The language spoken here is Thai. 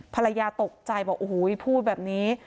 ภรรยาตกใจบอกโอ้โหพูดแบบนี้